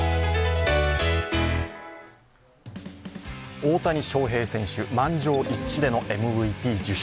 大谷翔平選手、満場一致でのＭＶＰ受賞。